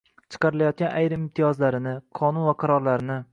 chiqarilayotgan ayrim imtiyozlarini, qonun va qarorlarini